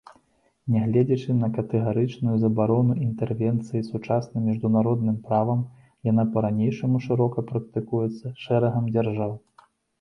Нягледзячы на катэгарычную забарону інтэрвенцыі сучасным міжнародным правам, яна па-ранейшаму шырока практыкуецца шэрагам дзяржаў.